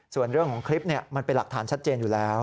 ส่วนเรื่องของคลิปมันเป็นหลักฐานชัดเจนอยู่แล้ว